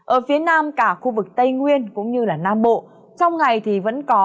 ở phía nam cả khu vực tây nguyên cũng như nam bộ trong ngày thì vẫn có